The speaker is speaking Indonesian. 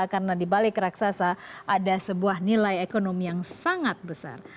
karena dibalik raksasa ada sebuah nilai ekonomi yang sangat besar